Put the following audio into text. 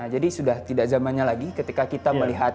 jadi sudah tidak zamannya lagi ketika kita melihat